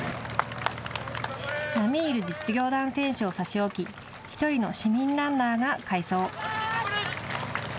なみいる実業団選手を差しおき１人の市民ランナーが快走。